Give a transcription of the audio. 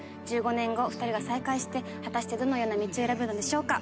１５年後２人が再会して果たしてどのような道を選ぶのでしょうか？